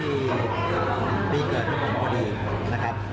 ๐๕ที่ปีเกิดพอดีนะครับ